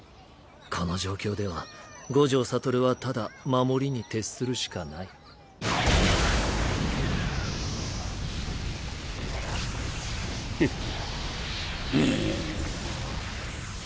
この状況では五条悟はただ守りに徹するしかないふふんっ。